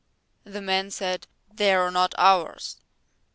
The man said: "They're not ours."